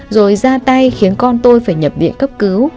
rồi ra tay khiến con tôi phải nhập viện cấp cứu